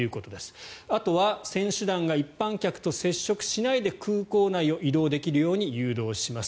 あとは選手団が一般客と接触しないで空港内を移動できるように誘導します。